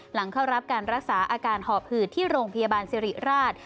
หลังเข้ารับการรักษาอาการหอบหืดที่โรงพยาบาลสิริราช